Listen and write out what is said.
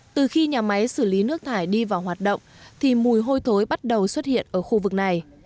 từ khi nhà máy xử lý nước thải đi vào hoạt động thì mùi hôi thối bắt đầu xuất hiện ở khu vực này